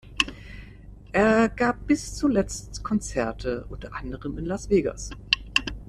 Er gab bis zuletzt Konzerte, unter anderem in Las Vegas.